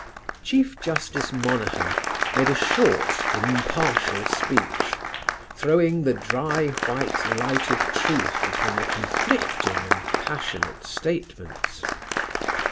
Chief Justice Monahan made a short, impartial speech, throwing the dry, white light of truth upon the conflicting and passionate statements.